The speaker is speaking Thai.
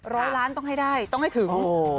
ร้อยล้านต้องให้ได้ต้องให้ถึง